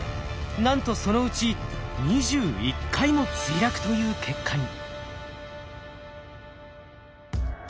なんとそのうち２１回も墜落という結果に。